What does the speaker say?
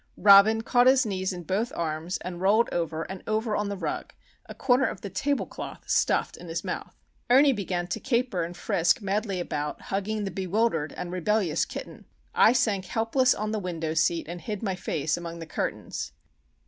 Robin caught his knees in both arms and rolled over and over on the rug, a corner of the tablecloth stuffed in his mouth. Ernie began to caper and frisk madly about, hugging the bewildered and rebellious kitten. I sank helpless on the window seat, and hid my face among the curtains.